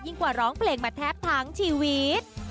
กว่าร้องเพลงมาแทบทั้งชีวิต